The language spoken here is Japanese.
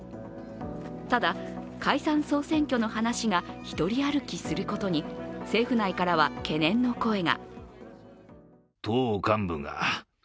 ただ、解散総選挙の話が一人歩きすることに政府内からは懸念の声が。